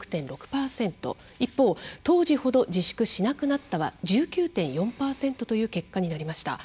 一方「当時ほど自粛しなくなった」は１９．４％という結果になりました。